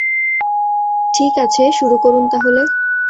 ঠিক আছে, শুরু করুন তাহলে!